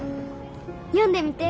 読んでみて。